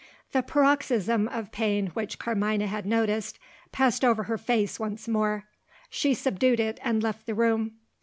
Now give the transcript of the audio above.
The paroxysm of pain which Carmina had noticed, passed over her face once more. She subdued it, and left the room.